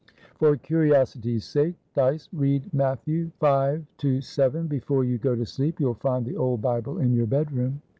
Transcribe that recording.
For curiosity's sake, Dyce, read Matthew v. to vii. before you go to sleep. You'll find the old Bible in your bedroom."